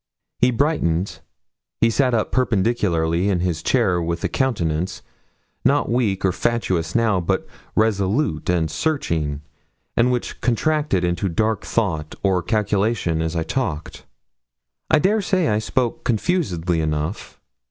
He brightened; he sat up perpendicularly in his chair with a countenance, not weak or fatuous now, but resolute and searching, and which contracted into dark thought or calculation as I talked. I dare say I spoke confusedly enough.